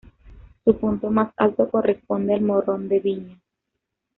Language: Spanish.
Su punto más alto corresponde al Morrón de Viñas.